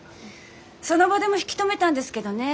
その場でも引き止めたんですけどね